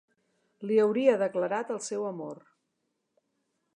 Li hauria declarat el seu amor;